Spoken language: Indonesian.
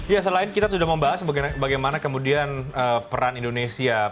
ya selain kita sudah membahas bagaimana kemudian peran indonesia